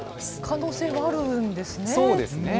可能性はあるんですね。